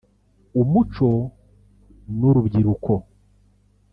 Umuco n’Urubyiruko